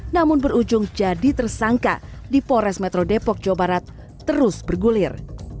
namun berujung jadi tersangka di pores metro depok jawa barat terus bergulir